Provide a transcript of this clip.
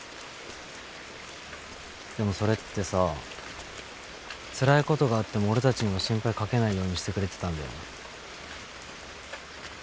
でもそれってさつらいことがあっても俺たちには心配かけないようにしてくれてたんだよね。